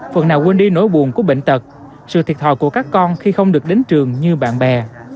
phần nào quên đi nỗi buồn của bệnh tật sự thiệt thòi của các con khi không được đến trường như bạn bè